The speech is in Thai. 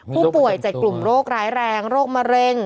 ผู้ป่วย๗กลุ่มโรคร้ายแรงโรคมะเร็ง